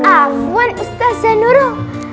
afwan ustadzah nurung